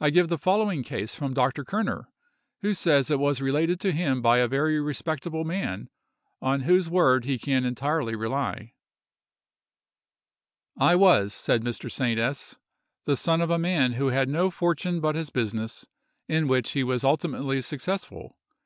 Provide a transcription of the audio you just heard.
I give the following case from Dr. Kerner, who says it was related to him by a very respectable man, on whose word he can entirely rely:— "I was," said Mr. St. S——, of S——, "the son of a man who had no fortune but his business, in which he was ultimately successful.